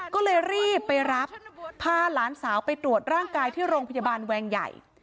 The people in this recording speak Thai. ก็เลยรีบไปรับพาหลานสาวไปตรวจร่างกายที่โรงพยาบาลแวงใหญ่